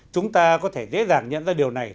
chúng ta có thể dễ dàng nhận ra điều này